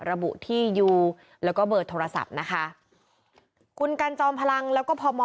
ระบุที่อยู่แล้วก็เบอร์โทรศัพท์นะคะคุณกันจอมพลังแล้วก็พม